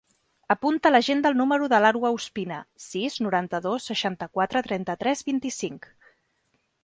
Apunta a l'agenda el número de l'Arwa Ospina: sis, noranta-dos, seixanta-quatre, trenta-tres, vint-i-cinc.